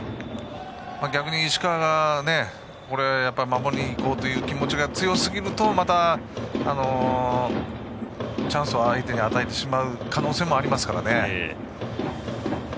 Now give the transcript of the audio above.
逆に石川が守りにいこうという気持ちが強すぎるとまたチャンスを相手に与えてしまう可能性がありますからね。